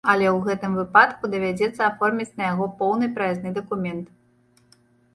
Але ў гэтым выпадку давядзецца аформіць на яго поўны праязны дакумент.